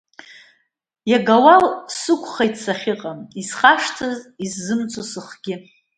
Иага уал сықәхеит сахьыҟам, исхашҭыз, иззымцо сыхгьы.